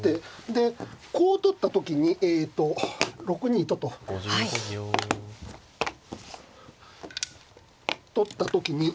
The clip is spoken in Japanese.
でこう取った時にえと６二とと。取った時に。